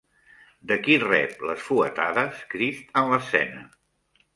De qui rep les fuetades Crist en l'escena?